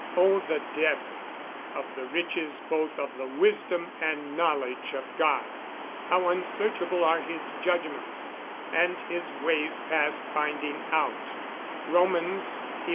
[Verse: "Oh the depth of the riches both of the wisdom and knowledge of God! how unsearchable are his judgments, and his ways past finding out." ROM. XI.